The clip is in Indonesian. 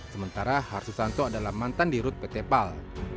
sementara harsusanto adalah mantan di rut pt pal